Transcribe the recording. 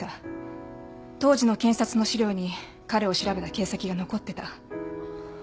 当時の検察の資料に彼を調べた形跡が残ってた。